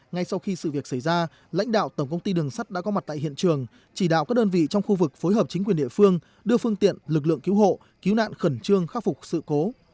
ngay sau khi sự việc xảy ra lãnh đạo tổng công ty đường sắt đã có mặt tại hiện trường chỉ đạo các đơn vị trong khu vực phối hợp chính quyền địa phương đưa phương tiện lực lượng cứu hộ cứu nạn khẩn trương khắc phục sự cố